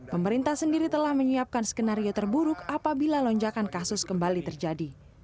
pemerintah sendiri telah menyiapkan skenario terburuk apabila lonjakan kasus kembali terjadi